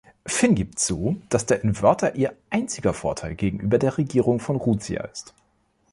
Finn gibt zu, dass der Inverter ihr einziger Vorteil gegenüber der Regierung von Rutia ist.